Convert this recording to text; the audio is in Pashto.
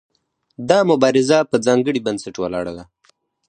دا مبارزه په ځانګړي بنسټ ولاړه ده.